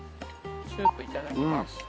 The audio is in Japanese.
スープいただきます。